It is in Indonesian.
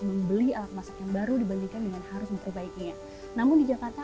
membeli alat masak yang baru dibandingkan dengan harus memperbaikinya namun di jakarta